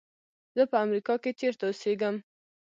زه په امریکا کې چېرته اوسېږم.